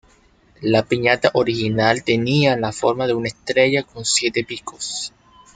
La piñata original tenía la forma de una estrella con siete picos.